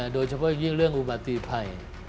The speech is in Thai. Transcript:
โดยเฉพาะเรื่องอุบัติไพร